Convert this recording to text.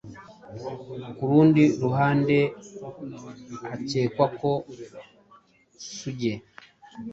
ku rundi ruhande hacyekwa ko Suge